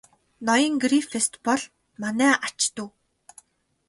Ноён Грифитс бол манай ач дүү.